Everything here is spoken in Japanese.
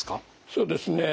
そうですね